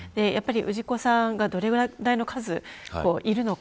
氏子さんがどれぐらいの数いるのか。